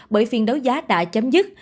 bởi phiên đấu giá đã chấm dứt